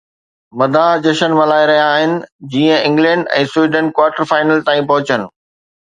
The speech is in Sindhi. مداح جشن ملهائي رهيا آهن جيئن انگلينڊ ۽ سويڊن ڪوارٽر فائنل تائين پهچن